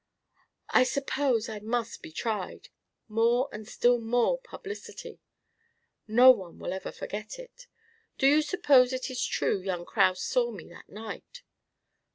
"I suppose I must be tried more and still more publicity. No one will ever forget it. Do you suppose it is true young Kraus saw me that night?"